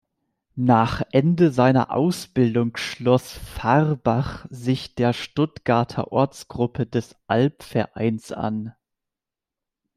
Nach Ende seiner Ausbildung schloss Fahrbach sich der Stuttgarter Ortsgruppe des Albvereins an.